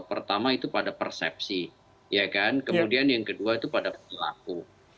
pertama itu pada persepsi kemudian yang kedua itu pada perilaku